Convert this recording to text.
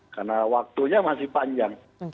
karena waktunya masih panjang